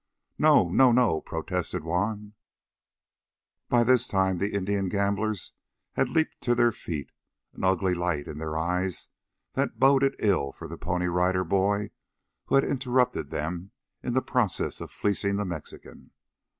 "No, no, no," protested Juan. By this time the Indian gamblers had leaped to their feet, an ugly light in their eyes that boded ill for the Pony Rider Boy who had interrupted them in the process of fleecing the Mexican.